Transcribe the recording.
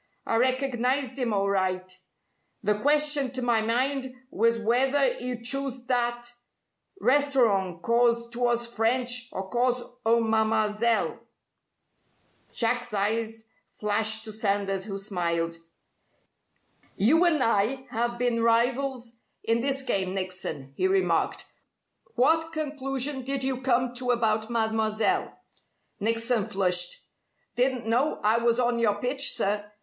I recognized 'im alright. The question to my mind was w'ether 'e'd chose that restorong 'cause 'twas French or cause o' Mam'selle." Jack's eyes flashed to Sanders, who smiled. "You and I have been rivals in this game, Nickson," he remarked. "What conclusion did you come to about Mademoiselle?" Nickson flushed. "Didn't know I was on your pitch, sir.